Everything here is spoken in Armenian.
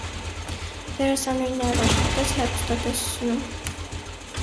Դերասանուհին նաև աշխատեց հեռուստատեսությունում։